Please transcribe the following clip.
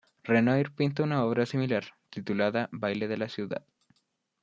Renoir pinta una obra similar titulada "Baile en la ciudad"